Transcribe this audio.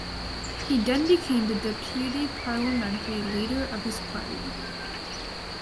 He then became the deputy parliamentary leader of his party.